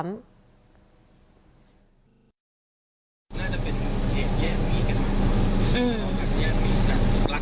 คุณยายเป็นคนนิสัยใดกว่าอย่างไรครับ